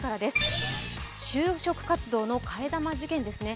就職活動の替え玉ですね。